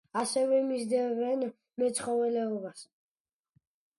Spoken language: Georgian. ასევე მისდევენ მეცხოველეობას.